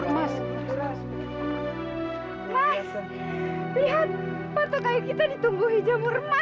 mas lihat patok kayu kita ditumbuhi jamur emas